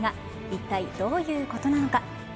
いったいどういうことなのか。